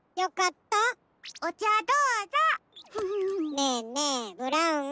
ねぇねぇブラウン。